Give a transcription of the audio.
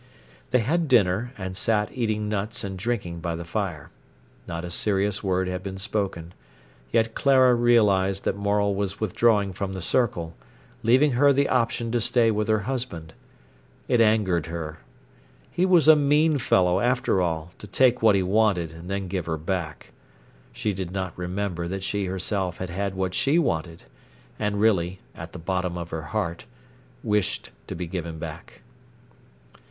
They had dinner, and sat eating nuts and drinking by the fire. Not a serious word had been spoken. Yet Clara realised that Morel was withdrawing from the circle, leaving her the option to stay with her husband. It angered her. He was a mean fellow, after all, to take what he wanted and then give her back. She did not remember that she herself had had what she wanted, and really, at the bottom of her heart, wished to be given back.